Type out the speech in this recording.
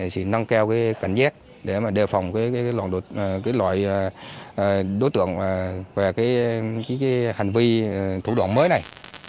thì nâng keo cái cảnh giác để đề phòng cái loại đối tượng và cái hành vi thủ đoạn mới này